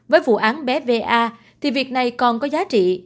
với vụ án bé va thì việc này còn có giá trị